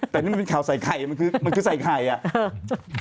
แต่นี่มันเป็นข่าวใส่ไข่มันคือมันคือใส่ไข่อ่ะ